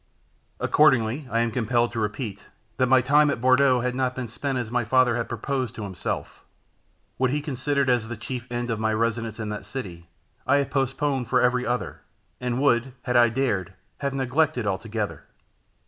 Accordingly, I am compelled to repeat, that my time at Bourdeaux had not been spent as my father had proposed to himself. What he considered as the chief end of my residence in that city, I had postponed for every other, and would (had I dared) have neglected altogether.